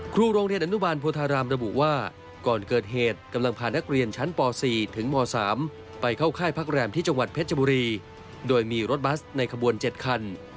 ครูโรงเรียนอนุบาลโพธารามระบุว่าก่อนเกิดเหตุกำลังพานักเรียนชั้นป๔ถึงม๓ไปเข้าค่ายพักแรมที่จังหวัดเพชรบุรีโดยมีรถบัสในขบวน๗คัน